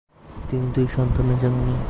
তিনি দুই সন্তানের জননী।